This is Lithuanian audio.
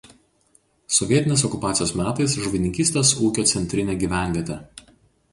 Sovietinės okupacijos metais žuvininkystės ūkio centrinė gyvenvietė.